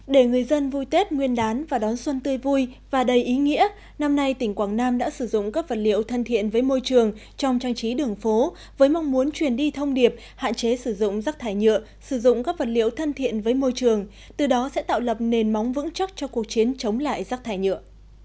để người dân vui tết nguyên đán và đón xuân tươi vui và đầy ý nghĩa năm nay tỉnh quảng nam đã sử dụng các vật liệu thân thiện với môi trường trong trang trí đường phố với mong muốn truyền đi thông điệp hạn chế sử dụng rác thải nhựa sử dụng các vật liệu thân thiện với môi trường từ đó sẽ tạo lập nền móng vững chắc cho cuộc chiến chống lại rác thải nhựa